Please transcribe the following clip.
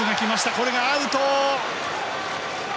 これがアウト。